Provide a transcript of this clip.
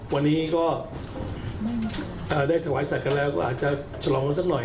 วันนี้ก็ได้ถวายสัตว์กันแล้วก็อาจจะฉลองกันสักหน่อย